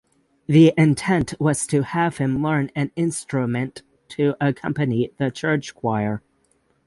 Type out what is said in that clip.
The intent was to have him learn an instrument to accompany the church choir.